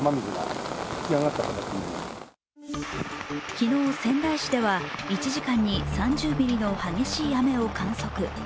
昨日、仙台市では１時間に３０ミリの激しい雨を観測。